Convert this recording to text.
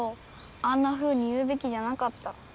あんなふうに言うべきじゃなかった。